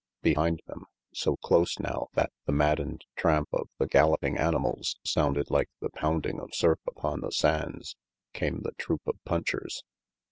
Behind them, so close now that the maddened tramp of the galloping animals sounded like the pounding of surf upon the sands, came the troop of punchers.